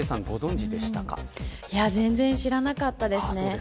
全然知らなかったですね。